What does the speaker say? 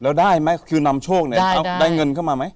แล้วได้ไหมคือนำโชคเนี่ยเขาได้เงินเข้ามาไหม